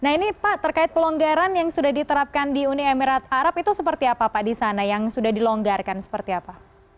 nah ini pak terkait pelonggaran yang sudah diterapkan di uni emirat arab itu seperti apa pak di sana yang sudah dilonggarkan seperti apa